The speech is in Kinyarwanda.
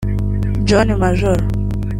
John Major